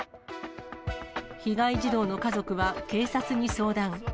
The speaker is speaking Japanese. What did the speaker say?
被害児童の家族は警察に相談。